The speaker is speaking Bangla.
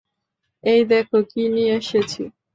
এই দেখো, কী নিয়ে এসেছি।